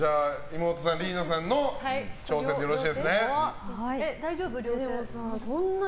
妹さん、リイナさんの挑戦でよろしいですね。